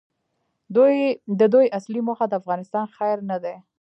د دوی اصلي موخه د افغانستان خیر نه دی.